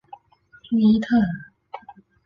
于伊特尔。